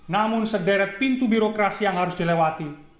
namun sederet pintu birokrasi yang harus dilewati